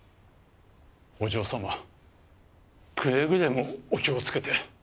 お嬢様くれぐれもお気をつけて。